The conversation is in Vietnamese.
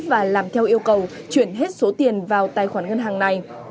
và làm theo yêu cầu chuyển hết số tiền vào tài khoản ngân hàng này